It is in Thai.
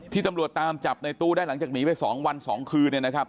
ตำรวจตามจับในตู้ได้หลังจากหนีไป๒วัน๒คืนเนี่ยนะครับ